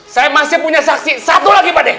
saya masih punya saksi satu lagi pak deh